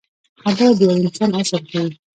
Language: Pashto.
خبره د یو انسان اصل ښيي.